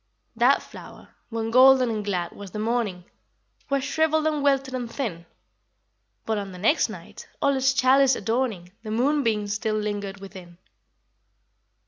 That flower, when golden and glad was the morning, Was shriveled and wilted and thin; But on the next night, all its chalice adorning, The moonbeam still lingered within.